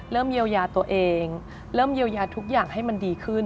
เริ่มเยียวยาตัวเองเริ่มเยียวยาทุกอย่างให้มันดีขึ้น